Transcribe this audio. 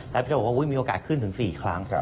แล้วพี่จะบอกว่ามีโอกาสขึ้นถึง๔ครั้ง